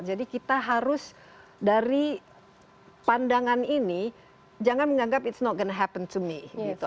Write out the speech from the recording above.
jadi kita harus dari pandangan ini jangan menganggap it's not gonna happen to me